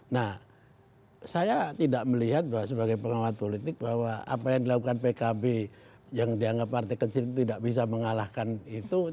nah saya tidak melihat bahwa sebagai pengawat politik bahwa apa yang dilakukan pkb yang dianggap partai kecil itu tidak bisa mengalahkan itu